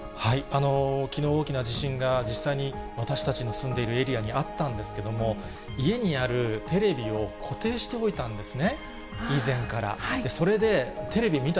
きのう、大きな地震が実際に私たちの住んでいるエリアにあったんですけども、家にあるテレビを固定しておいたんですね。